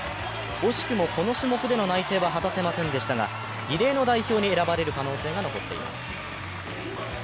惜しくもこの種目での内定は果たせませんでしたが、リレーの代表に選ばれる可能性が残っています。